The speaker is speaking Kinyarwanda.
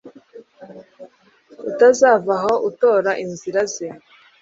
utazavaho utora inzira ze